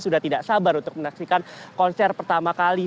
sudah tidak sabar untuk menyaksikan konser pertama kali